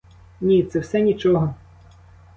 Ні, це все нічого!